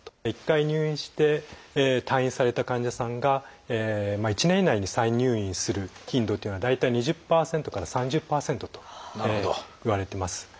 一回入院して退院された患者さんが１年以内に再入院する頻度というのは大体２０％から３０％といわれてます。